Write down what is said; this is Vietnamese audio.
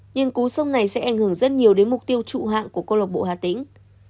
nhưng cú sông này sẽ ảnh hưởng rất nhiều đến mục tiêu trụ hạng của câu lọc bộ hà tĩnh